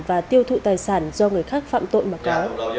và tiêu thụ tài sản do người khác phạm tội mà có